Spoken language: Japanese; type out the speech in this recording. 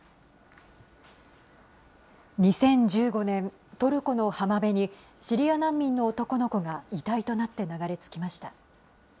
２０１５年、トルコの浜辺に、シリア難民の男の子が遺体となって流れ着きました。